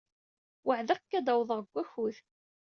Weɛdeɣ-k ad d-awḍeɣ deg wakud.